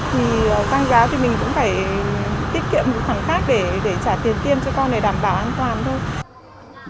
thì tăng giá thì mình cũng phải tiết kiệm một khoản khác để trả tiền tiêm cho con để đảm bảo an toàn thôi